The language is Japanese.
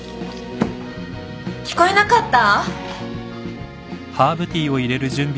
聞こえなかった？